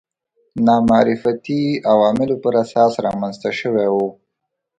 نامعرفتي عواملو پر اساس رامنځته شوي وو